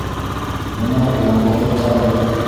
Бынау ямғыры тағы...